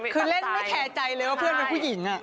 คือเล่นไม่แคร์ใจเลยว่าเพื่อนเป็นผู้หญิง